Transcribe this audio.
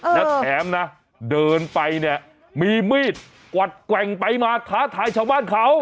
แล้วแถมนะเดินไปเนี่ยมีมีดกวัดแกว่งไปมาท้าทายชาวบ้านเขา